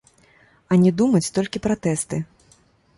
А не думаць толькі пра тэсты.